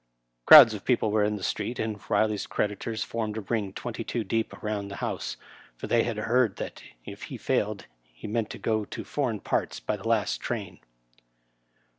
Crowds of people were in the street, and Kiley's creditors formed a ring twenty two deep round the House, for they had heard that if he failed he meant to go to foreign parts by the last train.